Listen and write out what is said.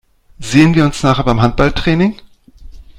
Sehen wir uns nachher beim Handballtraining?